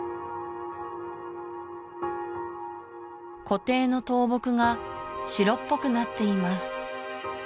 湖底の倒木が白っぽくなっています